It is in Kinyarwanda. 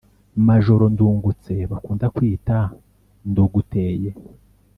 majoro ndungutse bakunda kwita nduguteye: